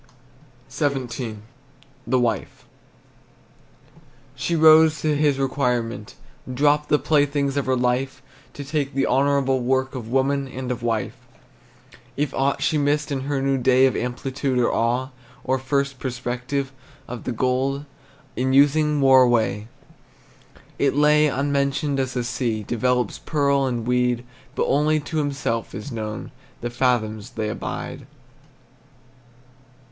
XVII. THE WIFE. She rose to his requirement, dropped The playthings of her life To take the honorable work Of woman and of wife. If aught she missed in her new day Of amplitude, or awe, Or first prospective, or the gold In using wore away, It lay unmentioned, as the sea Develops pearl and weed, But only to himself is known The fathoms they abide.